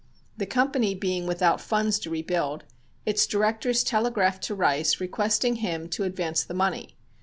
The company being without funds to rebuild, its directors telegraphed to Rice requesting him to advance the money.